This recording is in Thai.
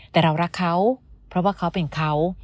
แต่เรารักเขาเพราะว่าเขาเป็นเขา